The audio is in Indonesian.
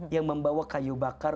yang membawa kayu bakar